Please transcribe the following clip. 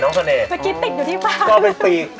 เมื่อกี้ติดอยู่ที่ฟ้า